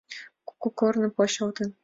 Кугу корно почылтын.